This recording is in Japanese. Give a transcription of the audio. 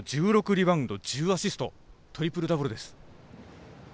リバウンド１０アシストトリプルダブルです。